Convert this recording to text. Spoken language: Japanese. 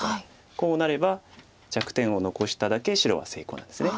こうなれば弱点を残しただけ白は成功なんです。